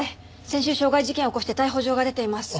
先週傷害事件を起こして逮捕状が出ています。